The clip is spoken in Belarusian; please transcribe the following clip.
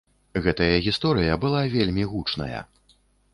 Гэтая гісторыя была вельмі гучная.